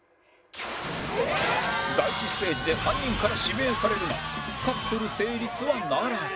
第１ステージで３人から指名されるがカップル成立はならず